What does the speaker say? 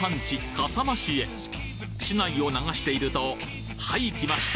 笠間市へ市内を流しているとはいきました！